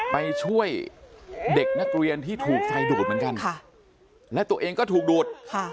ไปช่วยเด็กนักเรียนที่ถูกไฟดูดเหมือนกันและตัวเองก็ถูกดูด